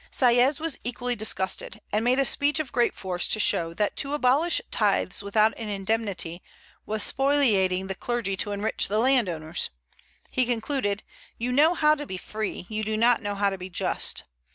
Sieyès was equally disgusted, and made a speech of great force to show that to abolish tithes without an indemnity was spoliating the clergy to enrich the land owners. He concluded, "You know how to be free; you do not know how to be just."